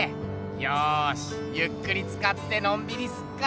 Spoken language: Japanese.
よしゆっくりつかってのんびりすっか。